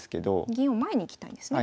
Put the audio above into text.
銀を前に行きたいんですね